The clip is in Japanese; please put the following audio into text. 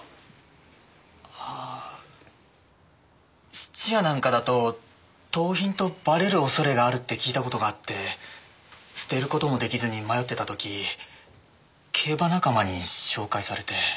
質屋なんかだと盗品とばれる恐れがあるって聞いた事があって捨てる事も出来ずに迷ってた時競馬仲間に紹介されて。